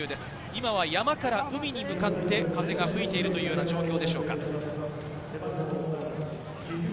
今は山から海に向かって風が吹いているというような状況でしょうか。